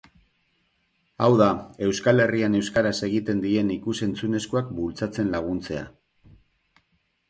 Hau da, Euskal Herrian euskaraz egiten diren ikus-entzunezkoak bultzatzen laguntzea.